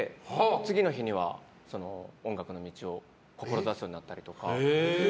次の日には音楽の道を志すようになったりとか。